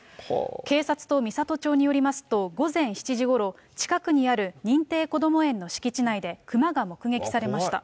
警察と美郷町によりますと、午前７時ごろ、近くにある認定こども園の敷地内でクマが目撃されました。